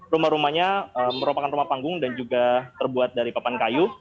rumah rumahnya merupakan rumah panggung dan juga terbuat dari papan kayu